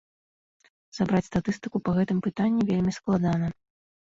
Сабраць статыстыку па гэтым пытанні вельмі складана.